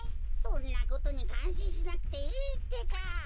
そんなことにかんしんしなくていいってか。